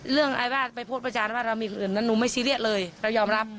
อายวาสไปโพสต์ประจานว่าเรามีคนอื่นนั้นหนูไม่ซีเรียสเลยเรายอมรับ